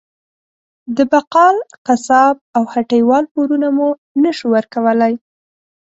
د بقال، قصاب او هټۍ وال پورونه مو نه شو ورکولی.